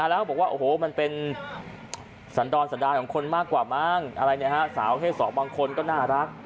แล้วบอกว่าโอ้โหมันเป็นสัญดอลสดายของคนมากกว่าบ้างสาวประเภท๒บางคนก็น่ารัก